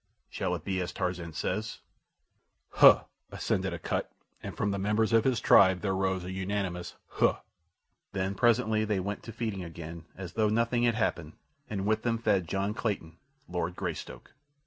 Shall it be as Tarzan says?" "Huh!" assented Akut, and from the members of his tribe there rose a unanimous "Huh." Then, presently, they went to feeding again as though nothing had happened, and with them fed John Clayton, Lord Greystoke.